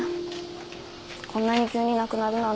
こんなに急に亡くなるなんて。